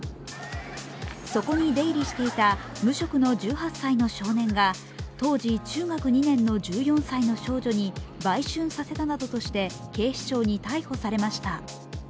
そこに出入りしていた無職の１８歳の少年が当時中学２年の１４歳の少女に売春させたなどとして警視庁に逮捕されました。